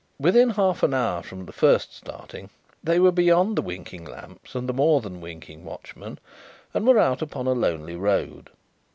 Within half an hour from the first starting, they were beyond the winking lamps, and the more than winking watchmen, and were out upon a lonely road.